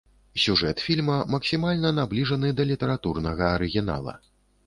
Сюжэт фільма максімальна набліжаны да літаратурнага арыгінала.